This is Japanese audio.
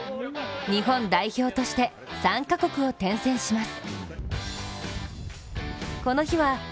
日本代表として３か国を転戦します。